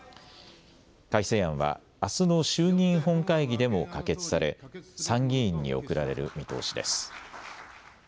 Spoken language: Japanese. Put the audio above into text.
改正案はあすの衆議院本会議でも可決され参議院に送られる見通しです。